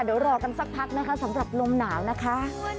เดี๋ยวรอกันสักพักนะคะสำหรับลมหนาวนะคะ